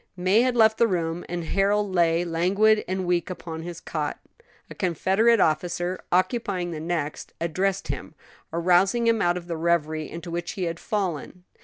May had left the room, and Harold lay languid and weak upon his cot. A Confederate officer, occupying the next, addressed him, rousing him out of the reverie into which he had fallen.